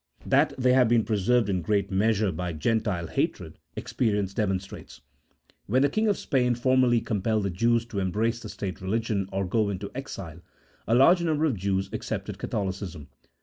That they have been preserved in great measure by Gentile hatred, experience demonstrates. When the king 56 A THEOLOGICO POLITICAL TREATISE. [CHAP. III. of Spain formerly compelled the Jews to embrace the State religion or to go into exile, a large number of Jews accepted Catholicism.